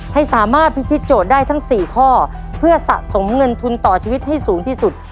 ให้สามารถพิธีโจทย์ได้ทั้งสี่ข้อเพื่อสะสมเงินทุนต่อชีวิตให้สูงที่สุด